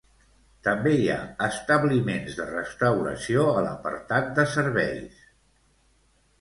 També hi ha establiments de restauració a l'apartat de serveis.